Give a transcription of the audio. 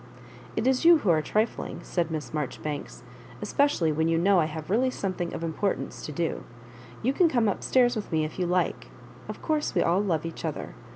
" It is you who are trifling," said Miss Marjo ribanks, *' especially when you know I have really something of importance to do. You can come up stairs with me if you like. Of course we all love each other.